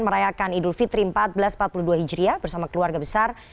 merayakan idul fitri seribu empat ratus empat puluh dua hijriah bersama keluarga besar